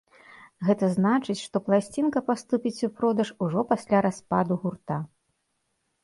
Гэта значыць, што пласцінка паступіць у продаж ужо пасля распаду гурта.